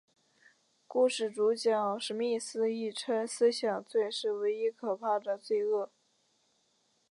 故事主角史密斯亦称思想罪是唯一可怕的罪恶。